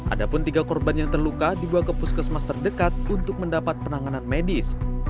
ada pun tiga korban yang terluka dibawa ke puskesmas terdekat untuk mendapat penanganan medis